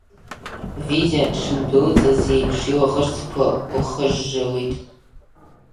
Витиа дшындәылҵыз еиԥш илаӷырӡқәа лхыжжылеит.